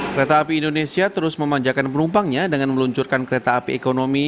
kereta api indonesia terus memanjakan penumpangnya dengan meluncurkan kereta api ekonomi